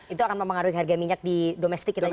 itu akan mempengaruhi harga minyak di domestik kita juga